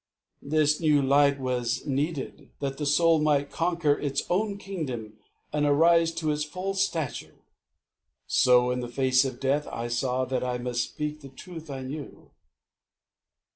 This new night was needed, that the soul Might conquer its own kingdom and arise To its full stature. So, in face of death, I saw that I must speak the truth I knew.